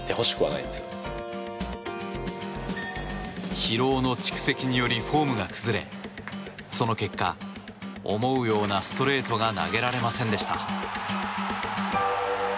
疲労の蓄積によりフォームが崩れその結果思うようなストレートが投げられませんでした。